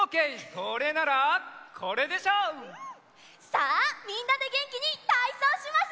さあみんなでげんきにたいそうしますよ！